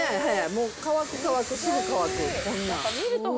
もう乾く乾く、すぐ乾く。